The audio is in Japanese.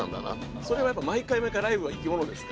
それはやっぱ毎回毎回ライブは生きものですから。